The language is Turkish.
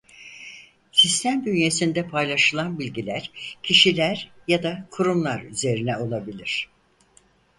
Sistem bünyesinde paylaşılan bilgiler kişiler ya da kurumlar üzerine olabilir.